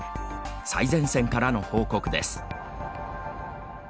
最前線からの報告です。